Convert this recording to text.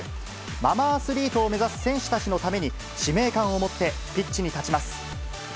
ママアスリートを目指す選手たちのために、使命感を持ってピッチに立ちます。